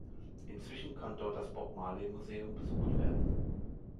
Inzwischen kann dort das Bob Marley Museum besucht werden.